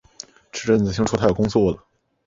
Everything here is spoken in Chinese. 这阵子听说他要工作了